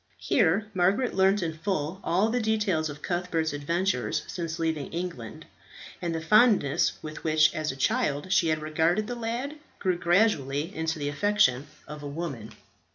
Here Margaret learnt in full all the details of Cuthbert's adventures since leaving England, and the fondness with which as a child she had regarded the lad grew gradually into the affection of a woman.